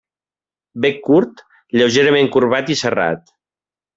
Bec curt, lleugerament corbat i serrat.